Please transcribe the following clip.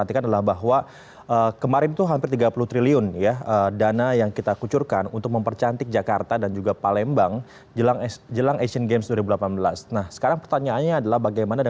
assalamualaikum warahmatullahi wabarakatuh pak anies